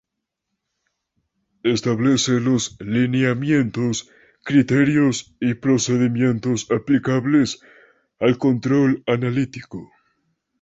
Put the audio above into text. Establece los lineamientos, criterios y procedimientos aplicables al control analítico.